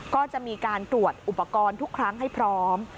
ก็จะมีการตรวจอุปกรณ์ทุกครั้งให้พร้อม